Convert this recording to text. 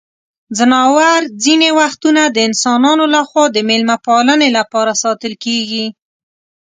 ځناور ځینې وختونه د انسانانو لخوا د مېلمه پالنې لپاره ساتل کیږي.